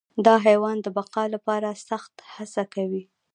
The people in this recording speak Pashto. دا حیوان د بقا لپاره سخت هڅه کوي.